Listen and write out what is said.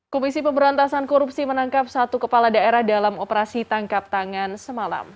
komisi pemberantasan korupsi menangkap satu kepala daerah dalam operasi tangkap tangan semalam